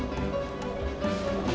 mulai berpikir seperti perempuan